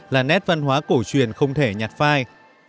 là nét văn hóa cổ truyền không thể nhặt phai